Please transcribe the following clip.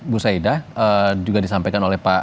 bu saidah juga disampaikan oleh pak